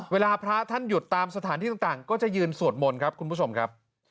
เวลาพระท่านหยุดตามสถานที่ต่างก็จะยืนสวดมนต์ครับคุณผู้ชมครับ